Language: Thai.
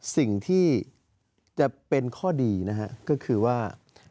สิ่งที่จะเป็นข้อดีนะฮะก็คือว่า